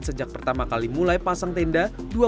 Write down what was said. sejak pertama kali mulai pasang tenda